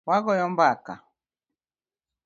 Wagoyo mbaka.